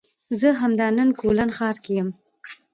زه همدا نن کولن ښار کې یم